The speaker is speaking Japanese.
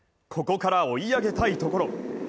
ここから追い上げたいところ。